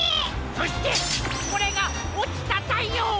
そしてこれが「おちたたいよう」！